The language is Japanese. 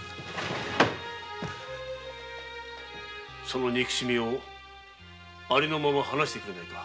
その憎しみをありのまま話してくれぬか。